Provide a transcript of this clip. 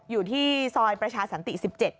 อยู่ที่ซอยประชาสันติ๑๗